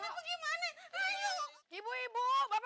aduh aduh gimana ini